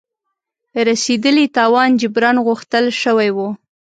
رسېدلي تاوان جبران غوښتل شوی وو.